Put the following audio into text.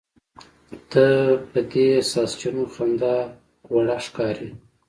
ته په دې ساسچنو خنداوړه ښکارې.